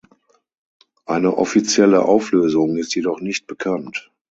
Eine offizielle Auflösung ist jedoch nicht bekannt.